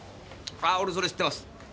ああ俺それ知ってます